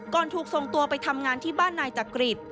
ถูกส่งตัวไปทำงานที่บ้านนายจักริต